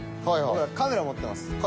僕らカメラ持ってます。